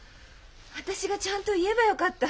私がちゃんと言えばよかった。